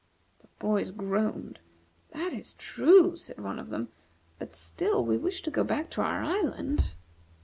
The boys groaned. "That is true," said one of them; "but still we wish to go back to our island."